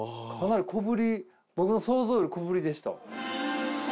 僕の想像より小ぶりでした。